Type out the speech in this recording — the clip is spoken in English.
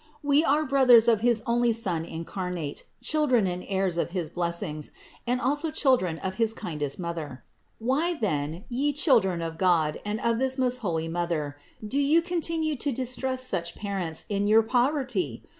We are brothers of his only Son incarnate, children and heirs of his blessings, and also children of his kindest Mother. Why, then, ye children of God and of this most holy Mother, do you continue to distrust such Parents in your poverty?